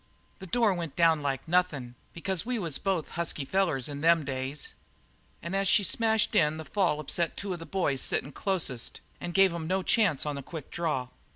"The door went down like nothin', because we was both husky fellers in them days, and as she smashed in the fall upset two of the boys sittin' closest and gave 'em no chance on a quick draw.